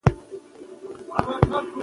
شننه به ختمه شوې وي.